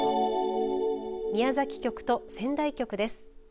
宮崎局と仙台局です。